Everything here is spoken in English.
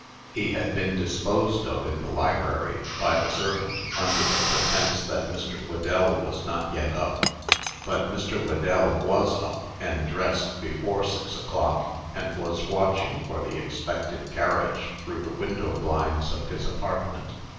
He had been disposed of in the library, by the servant, under the pretence that Mr. Whedell was not yet up. But Mr. Whedell was up and dressed before six o'clock, and was watching for the expected carriage, through the window blinds of his apartment.